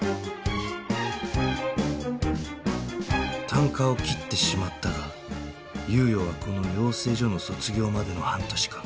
たんかを切ってしまったが猶予はこの養成所の卒業までの半年間